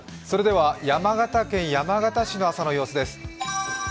それでは、山形県山形市の朝の様子です。